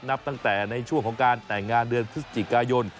นับตั้งแต่ในช่วงของการแต่งงานเดือนพฤศจิกายน